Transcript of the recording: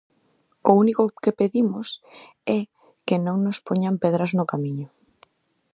O único que pedimos é que non nos poñan pedras no camiño.